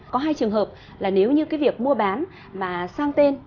có hai trường hợp là nếu như cái việc mua bán mà sang tên